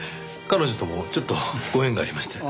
彼女ともちょっとご縁がありまして。